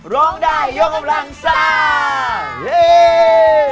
ร้องได้ยกกำลังสร้าง